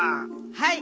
はい！